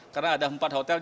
karena ada empat hotel